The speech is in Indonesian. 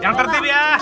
yang tertip ya